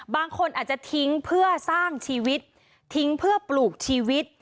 บางคนอาจจะทิ้งเพื่อสร้างชีวิตทิ้งเพื่อปลูกชีวิต